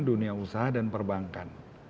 dunia usaha dan perbankan